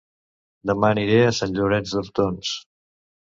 Dema aniré a Sant Llorenç d'Hortons